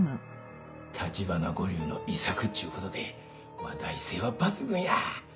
橘五柳の遺作っちゅうことで話題性は抜群や！